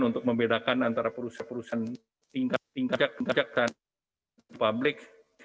untuk membedakan antara perusahaan tingkat pajak dan public